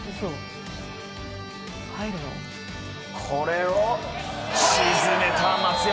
これを沈めた松山！